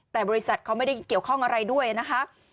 แต่บริษัทเขาไม่ได้เกี่ยวข้องอะไรด้วยนะคะ